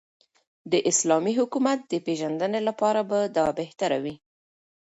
داسلامې حكومت دپيژندني لپاره به دابهتره وي